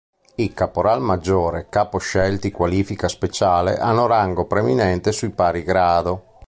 I caporal maggiore capo scelti qualifica speciale hanno rango preminente sui pari grado.